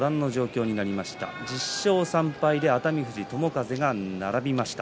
１０勝３敗で熱海富士、友風が並びました。